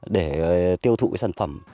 để tiêu thụ sản phẩm